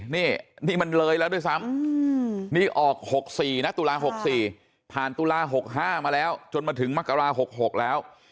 นี่นี่มันเลยแล้วด้วยซ้ำนี่ออก๖๔นะตุลา๖๔ผ่านตุลา๖๕มาแล้วจนมาถึงมกรา๖๖แล้ว